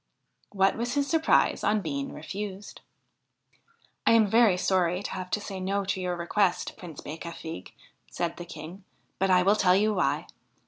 What was his surprise on being refused !' I am very sorry to have to say no to your request, Prince Becafigue,' said the King, ' but I will tell you why.